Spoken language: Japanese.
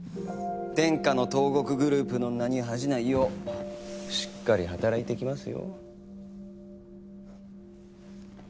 天下の東極グループの名に恥じないようしっかり働いてきますよ。